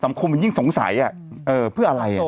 คมมันยิ่งสงสัยเพื่ออะไร